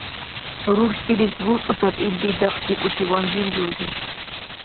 Рурсилис луцӀуцад илди дахъдикӀутиван билзулри